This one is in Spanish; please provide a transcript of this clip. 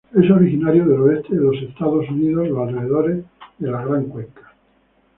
Es originaria del oeste de Estados Unidos en los alrededores de la Gran Cuenca.